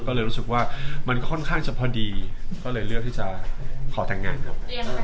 ก็เลยรู้สึกว่ามันค่อนข้างจะพอดีก็เลยเลือกที่จะขอแต่งงานครับ